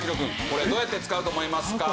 これどうやって使うと思いますか？